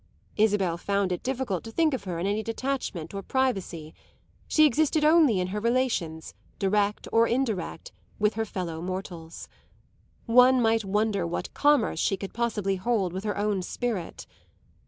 Isabel found it difficult to think of her in any detachment or privacy, she existed only in her relations, direct or indirect, with her fellow mortals. One might wonder what commerce she could possibly hold with her own spirit.